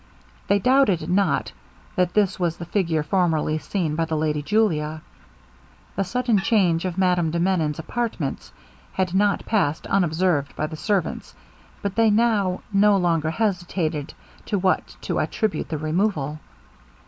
They doubted not, that this was the figure formerly seen by the lady Julia. The sudden change of Madame de Menon's apartments had not passed unobserved by the servants, but they now no longer hesitated to what to attribute the removal.